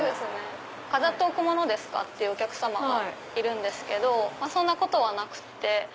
飾っておくものですか？って言うお客様がいるんですけどそんなことはなくて。